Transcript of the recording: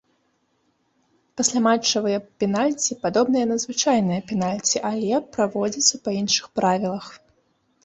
Пасляматчавыя пенальці падобныя на звычайныя пенальці, але праводзяцца па іншых правілах.